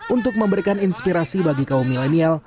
untuk memberikan inspirasi bagi kaum milenial